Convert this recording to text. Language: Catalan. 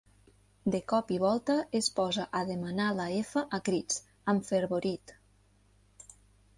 De cop i volta es posa a demanar la efa a crits, enfervorit.